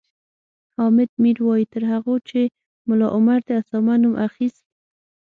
حامد میر وایي تر هغو چې ملا عمر د اسامه نوم اخیست